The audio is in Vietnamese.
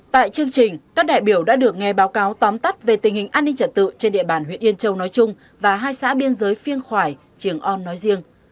tại chương trình các đại biểu đã được nghe báo cáo tóm tắt về tình hình an ninh trật tự trên địa bàn huyện yên châu nói chung và hai xã biên giới phiêng khoài trường on nói riêng